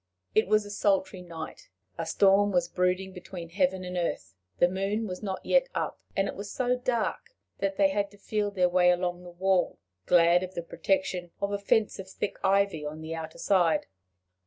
It was a sultry night. A storm was brooding between heaven and earth. The moon was not yet up, and it was so dark that they had to feel their way along the wall, glad of the protection of a fence of thick ivy on the outer side.